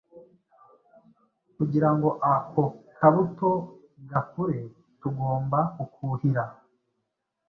Kugira ngo ako kabuto gakure tugomba kukuhira